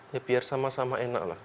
ya biar sama sama enak lah